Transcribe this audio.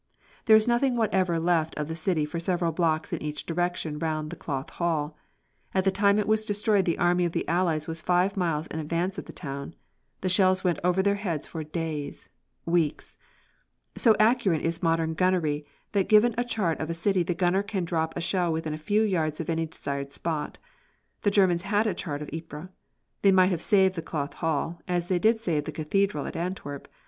There is nothing whatever left of the city for several blocks in each direction round the Cloth Hall. At the time it was destroyed the army of the Allies was five miles in advance of the town. The shells went over their heads for days, weeks. So accurate is modern gunnery that given a chart of a city the gunner can drop a shell within a few yards of any desired spot. The Germans had a chart of Ypres. They might have saved the Cloth Hall, as they did save the Cathedral at Antwerp.